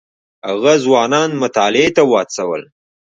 هغه ځوانان مطالعې ته وهڅول.